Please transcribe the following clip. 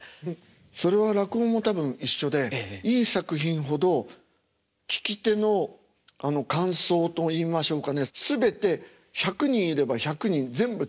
それは落語も多分一緒でいい作品ほど聴き手の感想といいましょうかね全て１００人いれば１００人全部違うと思います。